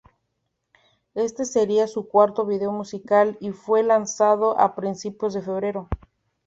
Este sería su cuarto video musical, y fue lanzado a principios de febrero.